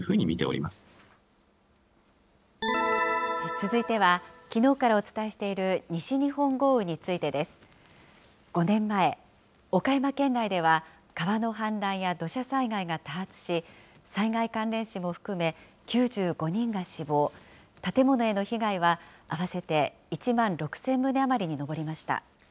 続いては、きのうからお伝えしている西日本豪雨についてです。５年前、岡山県内では、川の氾濫や土砂災害が多発し、災害関連死も含め、９５人が死亡、建物への被害は合わせて１万６０００棟余りに上りました。